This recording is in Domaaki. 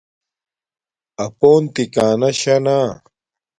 اپݸن تِکݳنݳ شݳ نݳ۔